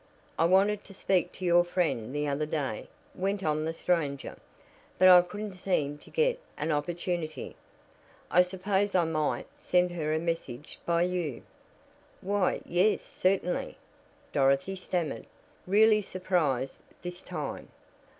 "I wanted to speak to your friend the other day," went on the stranger, "but I couldn't seem to get an opportunity. I suppose I might send her a message by you?" "Why, yes certainly," Dorothy stammered, really surprised this time.